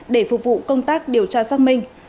để phục vụ công tác điều tra xác minh